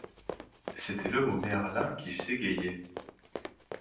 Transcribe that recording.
C’était l’homme au merlin qui s’égayait.